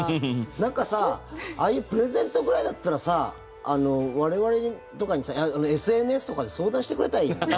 なんかさ、ああいうプレゼントぐらいだったら我々とかにＳＮＳとかで相談してくれたらいいのに。